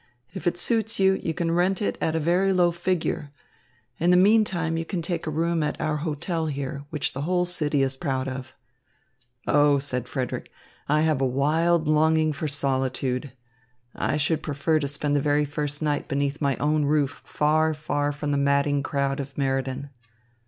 If it suits you, you can rent it at a very low figure. In the meantime you can take a room at our hotel here, which the whole city is proud of." "Oh," said Frederick, "I have a wild longing for solitude. I should prefer to spend the very first night beneath my own roof far, far from the madding crowd of Meriden."